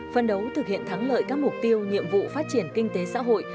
phân đấu thực hiện thắng lợi các mục tiêu nhiệm vụ phát triển kinh tế xã hội